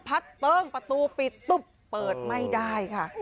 เติ้งประตูปิดตุ๊บเปิดไม่ได้ค่ะ